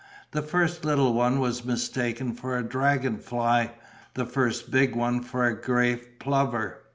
The first little one was mistaken for a dragon fly, the first big one for a gray plover.